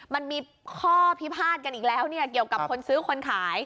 มันมีข้อพิพาทกันอีกแล้วเนี่ยเกี่ยวกับคนซื้อคนขาย